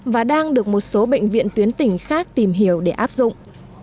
và đang được một số bệnh viện tuyến tỉnh khác tìm hiểu để áp dụng